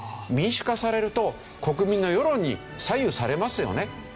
民主化されると国民の世論に左右されますよね。